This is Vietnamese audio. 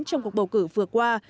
trong cuộc bầu cử vừa qua